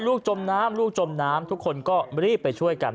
จมน้ำลูกจมน้ำทุกคนก็รีบไปช่วยกัน